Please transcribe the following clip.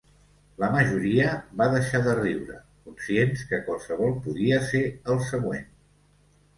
La majoria va deixar de riure, conscients que qualsevol podia ser el següent.